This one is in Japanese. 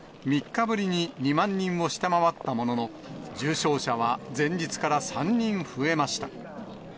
３日ぶりに２万人を下回ったものの、重症者は前日から３人増えました。